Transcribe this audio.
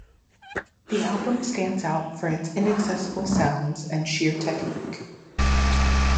The album stands out for its inaccessible sounds and sheer technique.